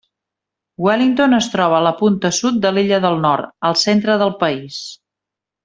Wellington es troba a la punta sud de l'illa del Nord, al centre del país.